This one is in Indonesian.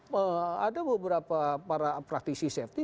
bahkan katanya ada beberapa para praktisi safety